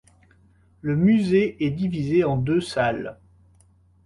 Le musée est divisé en deux salles.